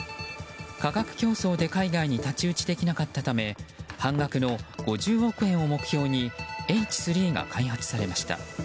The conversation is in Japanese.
価格競争で海外に太刀打ちできなかったため半額の５０億円を目標にＨ３が開発されました。